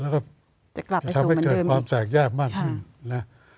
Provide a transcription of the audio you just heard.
แล้วก็จะทำให้เกิดความแตกแยกมากขึ้นนะ